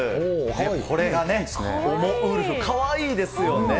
これがね、おもウルフ、かわいいですよね。